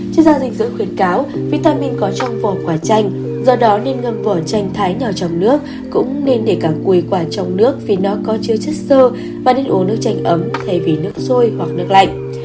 chuyên gia dình dự khuyên cáo vitamin có trong vỏ quả chanh do đó nên ngâm vỏ chanh thái nhỏ trong nước cũng nên để cả quỳ quả trong nước vì nó có chứa chất sơ và nên uống nước chanh ấm thay vì nước sôi hoặc nước lạnh